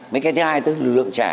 mấy cái thứ hai là lượng trẻ